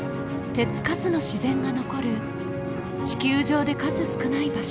手付かずの自然が残る地球上で数少ない場所